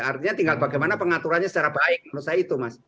artinya tinggal bagaimana pengaturannya secara baik menurut saya itu mas